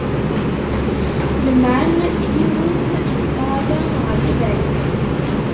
Lemmεen yiwet n ssṛaya ɣer lebεid.